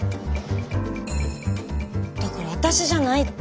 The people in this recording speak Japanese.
だから私じゃないって！